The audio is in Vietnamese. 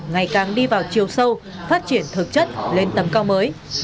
ngày càng đi vào chiều sâu phát triển thực chất lên tầm cao mới